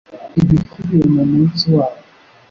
ibikubiye mu munsi wabo.